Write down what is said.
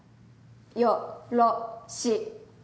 よろしく。